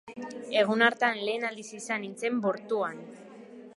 Egun hartan lehen aldiz izan nintzen bortuan!